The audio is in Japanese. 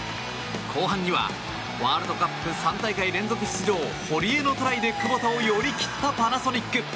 後半にはワールドカップ３大会連続出場堀江のトライでクボタを寄り切ったパナソニック。